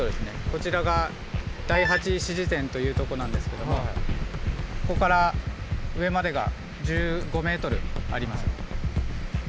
こちらが第８支持点というとこなんですけどもここから上までが１５ｍあります。